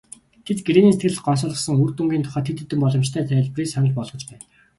Тэд гэрээний сэтгэл гонсойлгосон үр дүнгийн тухайд хэд хэдэн боломжтой тайлбарыг санал болгож байна.